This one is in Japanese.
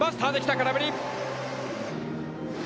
空振り。